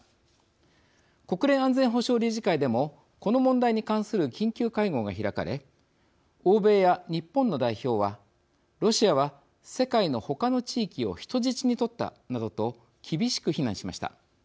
国連安全保障理事会でもこの問題に関する緊急会合が開かれ欧米や日本の代表はロシアは世界のほかの地域を人質に取ったなどと厳しく非難しました。